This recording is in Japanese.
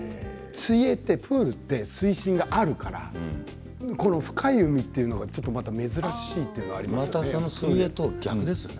水泳ってプールって水深があるから深い海というのはまた難しいということはありますよね。